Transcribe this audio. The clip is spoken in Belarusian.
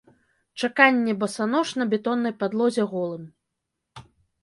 Чаканне басанож на бетоннай падлозе голым.